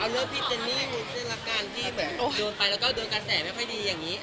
เอาเลือดพี่เจนนี่มีเซลละกันที่โดนไปแล้วก็โดนการแสลไม่ค่อยดีอย่างนี้